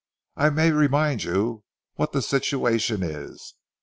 "I may remind you what the situation is.